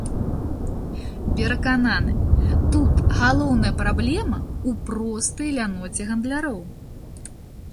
Перакананы, тут галоўная праблема ў простай ляноце гандляроў.